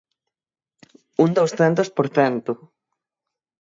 ¡Un douscentos por cento!